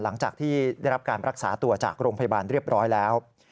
หลังจากที่ได้รับการรักษาตัวจากโรงพยาบาลเรียบร้อยแล้ว